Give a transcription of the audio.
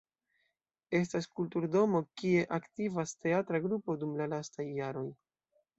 Estas kulturdomo kie aktivas teatra grupo dum la lastaj jaroj.